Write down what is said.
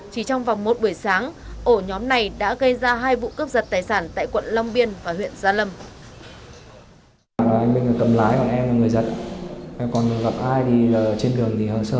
chỉ trong vòng một buổi sáng ổ nhóm này đã gây ra hai vụ cướp giật tài sản tại quận long biên và huyện gia lâm